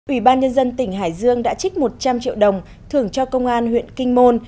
ủy ban nhân dân tỉnh hải dương đã trích một trăm linh triệu đồng thưởng cho công an huyện kinh môn